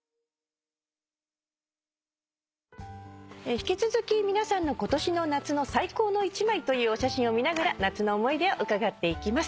引き続き皆さんの今年の夏の最高の１枚というお写真を見ながら夏の思い出を伺っていきます。